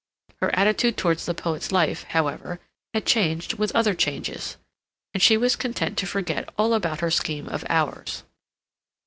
Her attitude towards the poet's life, however, had changed with other changes; and she was content to forget all about her scheme of hours.